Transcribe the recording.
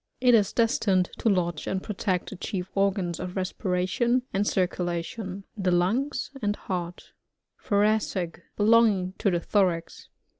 It is destined to lodge and protect the chief organs of respiration and cir culation :— the lungs and heart Thoracic— Belonging to the thorax.